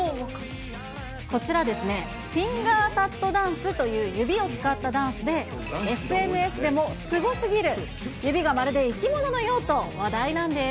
こちらですね、フィンガータットダンスという指を使ったダンスで、ＳＮＳでもすごすぎる、指がまるで生き物のようと話題なんです。